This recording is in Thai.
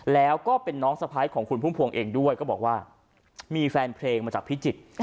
แล้วก็เป็นน้องสะพ้ายของคุณพุ่มพวงเองด้วยก็บอกว่ามีแฟนเพลงมาจากพิจิตร